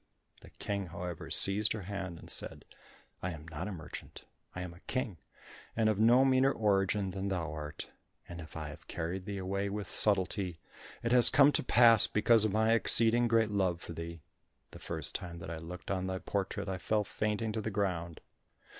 The King, however, seized her hand, and said, "I am not a merchant. I am a king, and of no meaner origin than thou art, and if I have carried thee away with subtlety, that has come to pass because of my exceeding great love for thee. The first time that I looked on thy portrait, I fell fainting to the ground."